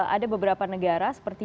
ada beberapa negara seperti